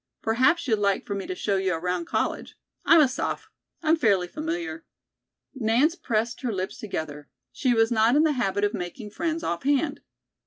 Perhaps you'd like for me to show you around college. I'm a soph. I'm fairly familiar." Nance pressed her lips together. She was not in the habit of making friends off hand.